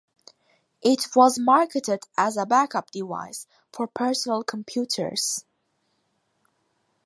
It was marketed as a backup device for personal computers.